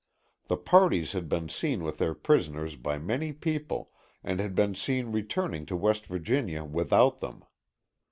The parties had been seen with their prisoners by many people and had been seen returning to West Virginia without them.